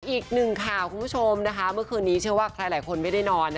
อีกหนึ่งข่าวคุณผู้ชมนะคะเมื่อคืนนี้เชื่อว่าใครหลายคนไม่ได้นอน